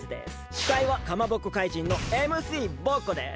しかいはかまぼこかいじんのＭＣボッコです！